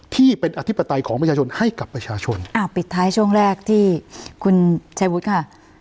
ที่เป็นอธิปไตยของประชาชนให้กับประชาชนอ่าปิดท้ายช่วงแรกที่คุณชายวุฒิค่ะ